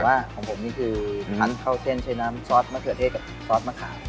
ว่าของผมนี่คือคันเข้าเส้นใช้น้ำซอสมะเขือเทศกับซอสมะขาม